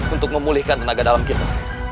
untuk memulihkan tenaga dalam kita